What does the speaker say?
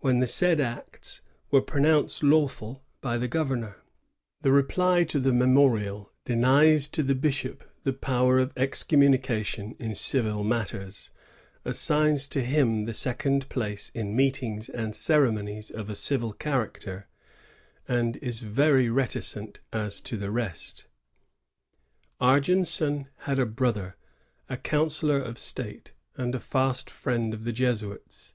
when the said acts were pronounced lawful by the govemor. The reply to the memorial denies to the bishop the power of excommunication in civil matters, assigns to him the second place in meetings and ceremonies of a civil character, and is very reticent as to the rest* Argenson had a brotiier, & counsellor of State, and a fast friend of the Jesuits.